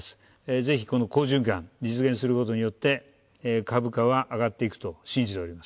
ぜひ、好循環実現することによって株価は上がっていくと信じております。